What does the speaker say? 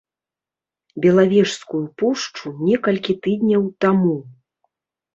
Белавежскую пушчу некалькі тыдняў таму.